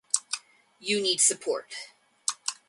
You need support.